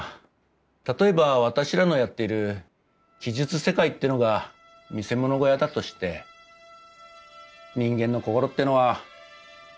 例えば私らのやってる奇術世界ってのが見せ物小屋だとして人間の心ってのは。